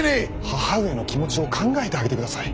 義母上の気持ちを考えてあげてください。